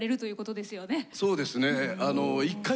そうですね。